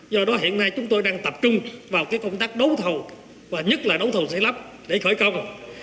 do đó hiện nay chúng tôi đang tập trung vào công tác đấu thầu và nhất là đấu thầu xây lắp để khởi công